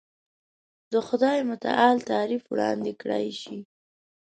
د خدای متعالي تعریف وړاندې کړای شي.